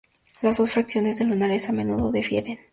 Las dos fracciones de lunares a menudo difieren.